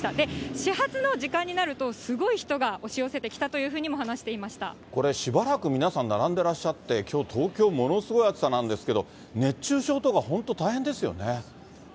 始発の時間になるとすごい人が押し寄せてきたというふうにも話しこれ、しばらく皆さん並んでらっしゃって、きょう、東京、ものすごい暑さなんですけれども、熱中症とか本当、大変ですよね。